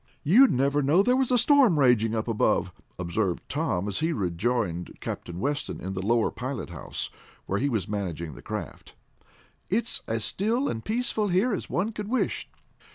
"You'd never know there was a storm raging up above," observed Tom as he rejoined Captain Weston in the lower pilot house, where he was managing the craft. "It's as still and peaceful here as one could wish."